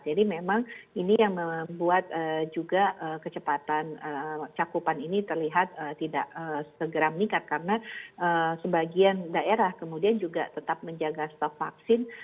jadi memang ini yang membuat juga kecepatan cakupan ini terlihat tidak segera meningkat karena sebagian daerah kemudian juga tetap menjaga stok vaksin